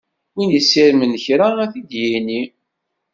Win yessirmen kra ad d-yini.